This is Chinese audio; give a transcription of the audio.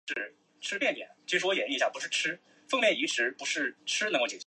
为成吉思汗四杰之一木华黎裔孙。